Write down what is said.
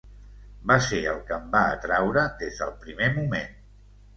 Va ser el que em va atraure des del primer moment.